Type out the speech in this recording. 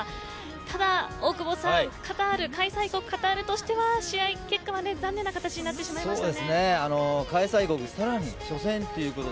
ただ大久保さん開催国カタールとしては試合結果は残念な形になってしまいました。